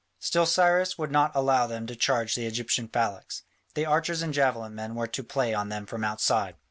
Still Cyrus would not allow them to charge the Egyptian phalanx: the archers and javelin men were to play on them from outside.